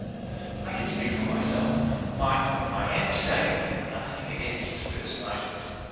I can speak for myself. Mind, I am saying nothing against first nighters.